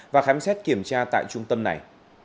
và khám xét kiểm tra tại trung tâm này